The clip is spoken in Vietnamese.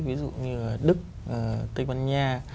ví dụ như đức tây ban nha